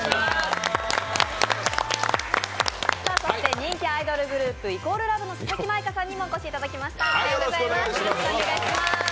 人気アイドルグループ＝ＬＯＶＥの佐々木舞香さんにもお越しいただきました。